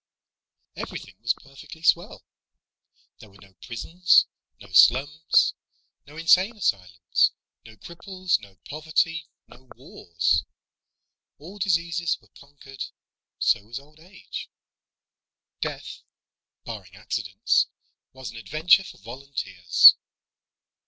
Everything was perfectly swell. There were no prisons, no slums, no insane asylums, no cripples, no poverty, no wars. All diseases were conquered. So was old age. Death, barring accidents, was an adventure for volunteers.